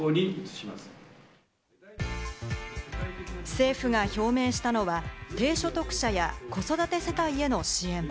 政府が表明したのは、低所得者や子育て世帯への支援。